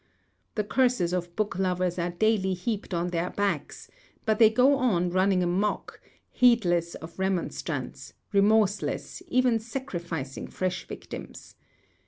The curses of book lovers are daily heaped on their backs, but they go on running a muck, heedless of remonstrance, remorseless, ever sacrificing fresh victims.